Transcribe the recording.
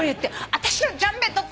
私のジャンベどこ！？